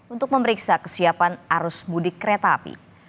untuk memeriksa kesiapan arus mudik kereta api